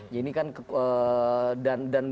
jadi ini kan dan